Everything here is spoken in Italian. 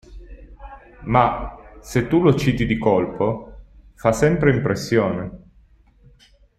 Ma, se tu lo citi di colpo, fa sempre impressione.